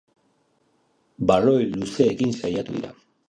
Baloi luzeekin saiatu dira.